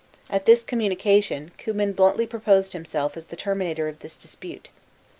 At this communication, Cummin bluntly proposed himself as the terminator of this dispute.